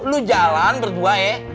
lo jalan berdua eh